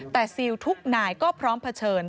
แต่ซิลทุกนายก็พร้อมเผชิญ